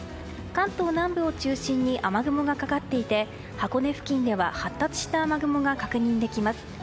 関東南部を中心に雨雲がかかっていて箱根付近では発達した雨雲が確認できます。